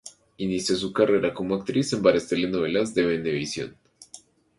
Inició su carrera como actriz en varias telenovelas de Venevisión.